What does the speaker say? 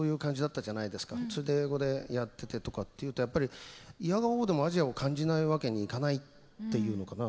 それで英語でやっててとかっていうとやっぱり否が応でもアジアを感じないわけにいかないっていうのかな。